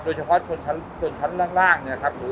โดยเฉพาะชนชั้นล่างเนี่ยครับ